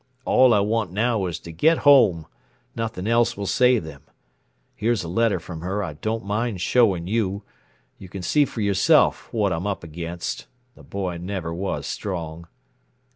All I want now is to get home nothing else will save them. Here's a letter from her I don't mind showing you you can see for yourself what I'm up against. The boy never was strong."